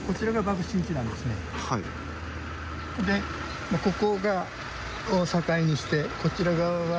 でここを境にしてこちら側は。